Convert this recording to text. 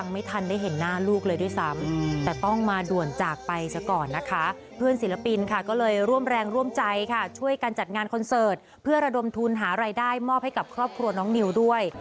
มอบให้กับครอบครัวน้องนิวด้วย